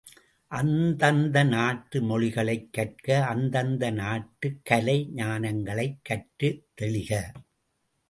அந்தந்த நாட்டு மொழிகளைக் கற்க அந்தந்த நாட்டுக் கலை ஞானங்களைக் கற்றுத் தெளிக!